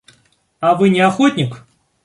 А вы не охотник?